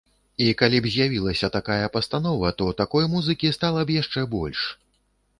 І калі б з'явілася такая пастанова, то такой музыкі стала б яшчэ больш.